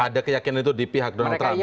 ada keyakinan itu di pihak donald trump gitu ya